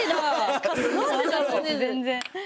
全然。